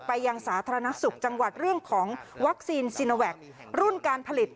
ยังสาธารณสุขจังหวัดเรื่องของวัคซีนซีโนแวครุ่นการผลิต